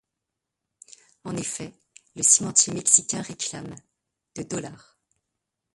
En effet, le cimentier mexicain réclame de dollars.